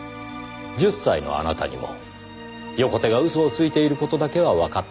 １０歳のあなたにも横手が嘘をついている事だけはわかった。